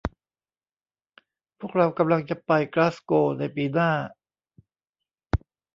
พวกเรากำลังจะไปกลาสโกวในปีหน้า